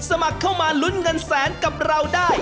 สมัครเข้ามาลุ้นเงินแสนกับเราได้